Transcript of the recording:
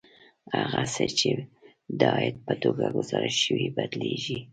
هغه څه چې د عاید په توګه ګزارش شوي بدلېږي